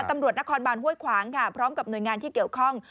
ตำรวจนครบานห้วยขวางค่ะพร้อมกับหน่วยงานที่เกี่ยวข้อง